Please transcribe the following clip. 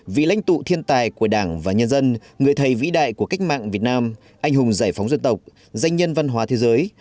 vị lãnh tụ thiên tài của đảng và nhân dân người thầy vĩ đại của cách mạng việt nam anh hùng giải phóng dân tộc danh nhân văn hóa thế giới